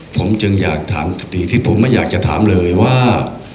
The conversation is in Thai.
ผมจึงอยากถามสติที่ผมไม่อยากจะถามเลยว่า